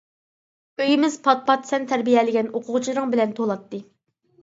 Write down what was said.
ئۆيىمىز پات-پات سەن تەربىيەلىگەن ئوقۇغۇچىلىرىڭ بىلەن تولاتتى.